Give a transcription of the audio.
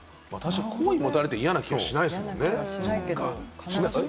好意持たれて嫌な気はしないですもんね。